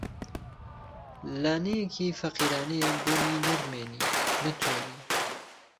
لانەیکی فەقیرانەیە بۆمی نەڕمێنی، نەتۆری